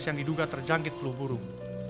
yang diduga terjangkit flu burung